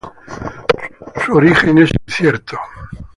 Su origen es incierto.